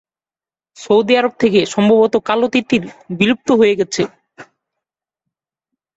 Saudi আরব থেকে সম্ভবত কালো তিতির বিলুপ্ত হয়ে গেছে।